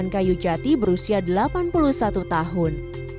dan kayu jati berusia delapan puluh satu tahun